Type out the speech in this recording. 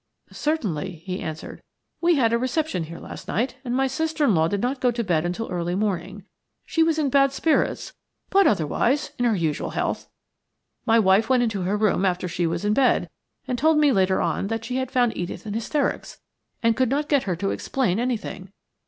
"Certainly," he answered. "We had a reception here last night, and my sister in law did not go to bed until early morning; she was in bad spirits, but otherwise in her usual health. My wife went into her room after she was in bed, and told me later on that she had found Edith in hysterics, and could not get her to explain anything.